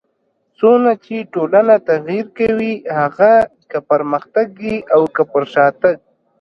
څونه چي ټولنه تغير کوي؛ هغه که پرمختګ يي او که پر شاتګ.